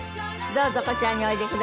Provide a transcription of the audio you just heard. どうぞこちらにおいでください。